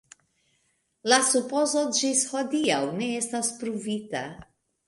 La supozo ĝis hodiaŭ ne estas pruvita.